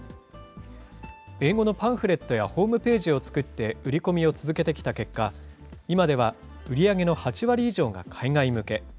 英語のパンフレットやホームページを作って売り込みを続けてきた結果、今では売り上げの８割以上が海外向け。